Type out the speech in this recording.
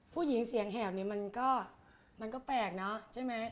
ผู้หญิงเสียงแหบเนี่ยมันก็มันก็แปลกเนอะใช่ไหม